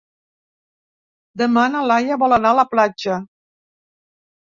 Demà na Laia vol anar a la platja.